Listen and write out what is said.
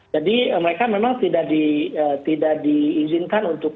jadi mereka memang tidak diizinkan untuk